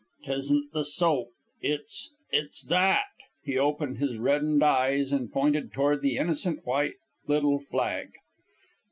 "'Tisn't the soap. It's it's that!" He opened his reddened eyes and pointed toward the innocent white little flag.